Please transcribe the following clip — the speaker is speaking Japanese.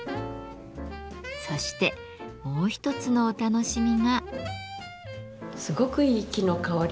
そしてもう一つのお楽しみが。